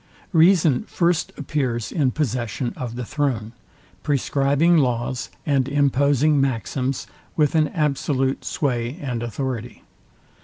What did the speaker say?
Reason first appears in possession of the throne, prescribing laws, and imposing maxims, with an absolute sway and authority.